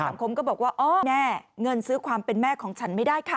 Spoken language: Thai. คมก็บอกว่าอ๋อแน่เงินซื้อความเป็นแม่ของฉันไม่ได้ค่ะ